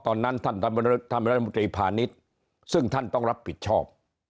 ตอนนั้นท่านรัฐมนตรีพาณิชย์ซึ่งท่านต้องรับผิดชอบ